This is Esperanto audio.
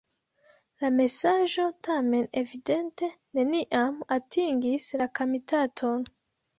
La mesaĝo tamen evidente neniam atingis la komitaton.